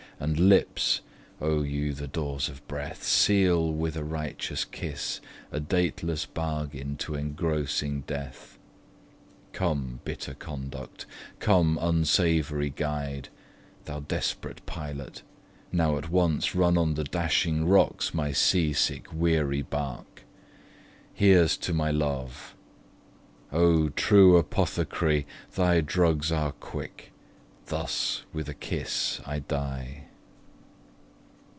and lips, O you The doors of breath, seal with a righteous kiss A dateless bargain to engrossing death! Come, bitter conduct, come unsavoury guide! Thou desperate pilot, now at once run on The dashing rocks my sea sick weary bark! Here's to my love! [Drinks.] O, true apothecary! Thy drugs are quick. Thus with a kiss I die.